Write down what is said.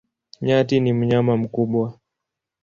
Nyati ni mnyama mkubwa.